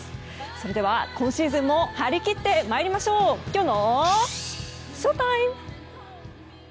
それでは今シーズンも張り切って参りましょうきょうのＳＨＯＴＩＭＥ！